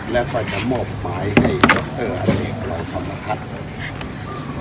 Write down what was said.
และไปจะมอบหมายให้คตฮันเอกรองธรรมพัทธ์